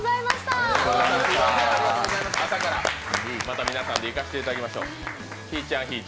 また皆さんで行かせていただきましょう。